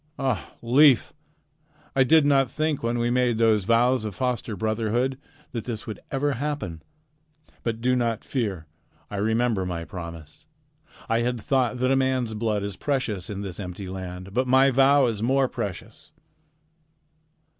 Ah, Leif! I did not think when we made those vows of foster brotherhood that this would ever happen. But do not fear. I remember my promise. I had thought that a man's blood is precious in this empty land, but my vow is more precious."